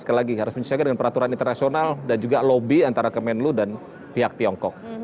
sekali lagi harus menyesuaikan dengan peraturan internasional dan juga lobby antara kemenlu dan pihak tiongkok